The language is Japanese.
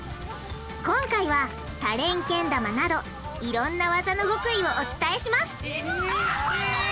今回は多連けん玉などいろんな技の極意をお伝えします！